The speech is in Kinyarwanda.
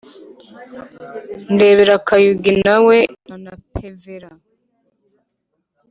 ndebera, kayugi nawe yanapevera